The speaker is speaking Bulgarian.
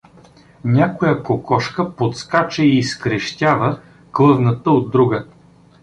Някоя кокошка подскача и изкрещява, клъвната от друга.